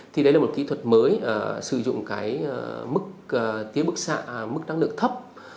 thì đấy là một kỹ thuật mới sử dụng cái mức tiến bức xạ mức năng lượng thấp